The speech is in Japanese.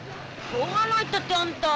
しょうがないったってあんた。